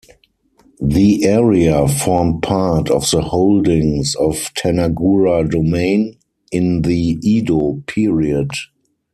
The area formed part of the holdings of Tanagura Domain, in the Edo period.